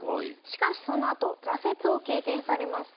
しかしそのあと挫折を経験されます。